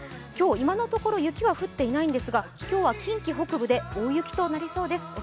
今日、今のところ雪は降っていないんですが、今日は近畿北部で大雪となりそうです。